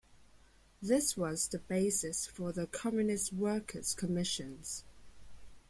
This was the basis for the communist Workers' Commissions.